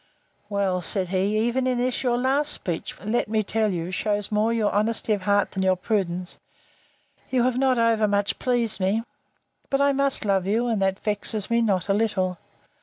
Well, said he, even in this your last speech, which, let me tell you, shews more your honesty of heart than your prudence, you have not over much pleased me. But I must love you; and that vexes me not a little.